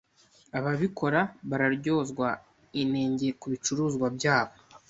Ababikora bararyozwa inenge kubicuruzwa byabo.